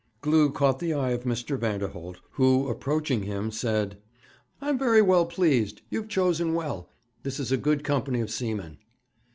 Glew caught the eye of Mr. Vanderholt, who, approaching him, said: 'I am very well pleased. You have chosen well. This is a good company of seamen.'